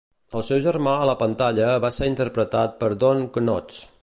El seu germà a la pantalla va ser interpretat per Don Knotts.